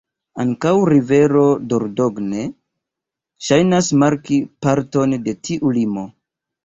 Ankaŭ rivero Dordogne ŝajnas marki parton de tiu limo.